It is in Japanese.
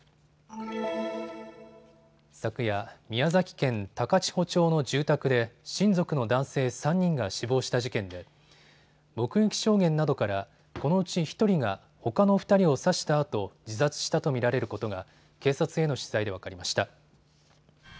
昨夜、宮崎県高千穂町の住宅で親族の男性３人が死亡した事件で目撃証言などからこのうち１人がほかの２人を刺したあと自殺したと見られることが警察への取材で分かりました。